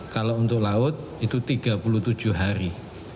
kalau untuk laut itu tiga puluh tujuh hari